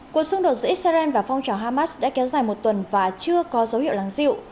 cuộc xung đột giữa israel và phong trào hamas đã kéo dài một tuần và chưa có dấu hiệu lắng dịu